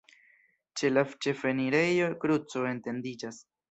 Ĉe la ĉefenirejo kruco etendiĝas.